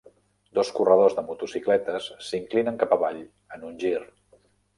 Dos corredors de motocicletes s'inclinen cap avall en un gir.